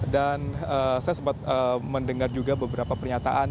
dan saya sempat mendengar juga beberapa pernyataan